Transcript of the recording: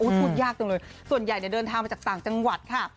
พูดยากจังเลยส่วนใหญ่เดินทางมาจากต่างจังหวัดค่ะ